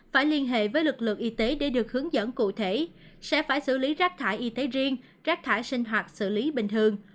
phải liên hệ với lực lượng y tế để được hướng dẫn cụ thể sẽ phải xử lý rác thải y tế riêng rác thải sinh hoạt xử lý bình thường